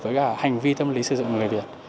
với cả hành vi tâm lý sử dụng người việt